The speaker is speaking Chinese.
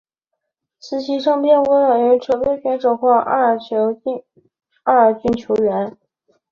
练习生并不等于储备选手或二军球员。